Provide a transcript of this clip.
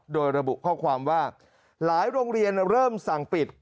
โดยระบุข้อความว่าหลายโรงเรียนเริ่มสั่งปิด